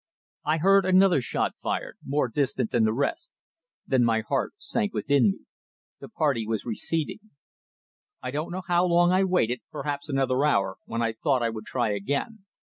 I heard another shot fired more distant than the rest. Then my heart sank within me the party were receding. I don't know how long I waited perhaps another hour when I thought I would try again.